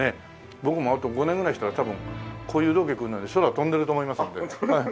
僕もあと５年ぐらいしたら多分こういうロケ来るのに空飛んでると思いますんで。